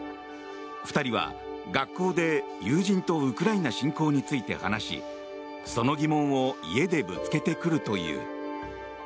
２人は学校で友人とウクライナ侵攻について話しその疑問を家でぶつけてくるという。